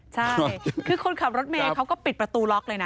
ใช่คือคนขับรถเมย์เขาก็ปิดประตูล็อกเลยนะ